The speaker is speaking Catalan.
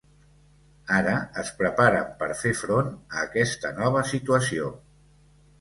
Ara es preparen per fer front a aquesta nova situació.